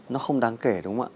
nó không đáng kể đúng không ạ